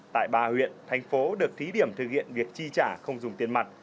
tại ba huyện thành phố được thí điểm thực hiện việc chi trả không dùng tiền mặt